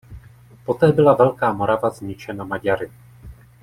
Poté byla Velká Morava zničena Maďary.